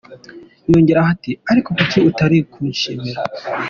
Yongeraho ati “ariko kuki utari kunshimira?”